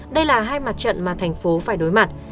đây là hai mặt trận mà thành phố phải đối mặt